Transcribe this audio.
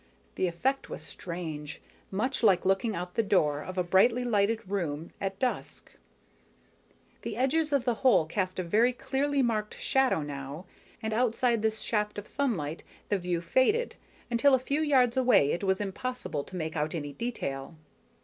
The effect was strange, much like looking out the door of a brightly lighted room at dusk. The edges of the hole cast a very clearly marked shadow now, and outside this shaft of sunlight the view faded, until a few yards away it was impossible to make out any detail.